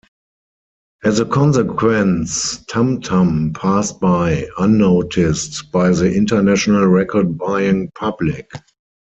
As a consequence, "Tam-Tam" passed by unnoticed by the international record-buying public.